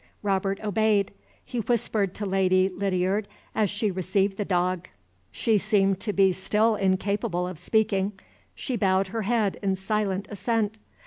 Robert obeyed. He whispered to Lady Lydiard as she received the dog; she seemed to be still incapable of speaking she bowed her head in silent assent.